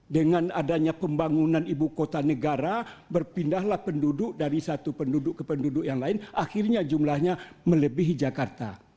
dengan adanya pembangunan ibu kota negara berpindahlah penduduk dari satu penduduk ke penduduk yang lain akhirnya jumlahnya melebihi jakarta